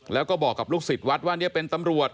แล้วก็บอกกับลูกศิษย์วัดว่าเป็นตำรวจ